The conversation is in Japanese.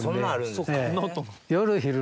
そっか。